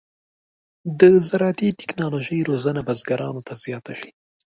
د زراعتي تکنالوژۍ روزنه بزګرانو ته زیاته شي.